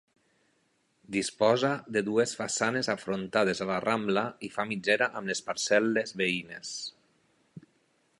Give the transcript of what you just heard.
Disposa de dues façanes afrontades a la Rambla i fa mitgera amb les parcel·les veïnes.